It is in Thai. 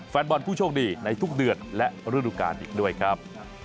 แฟนบอลผู้โชคดีในทุกเดือนและฤดูกาลอีกด้วยครับ